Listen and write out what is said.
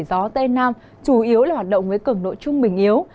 gió tây nam chủ yếu hoạt động với cứng độ trung bình yếu